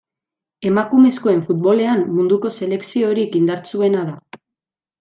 Emakumezkoen futbolean Munduko selekziorik indartsuena da.